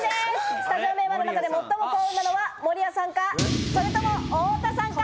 スタジオメンバーの中で最も幸運なのは守屋さんか、それとも太田さんか。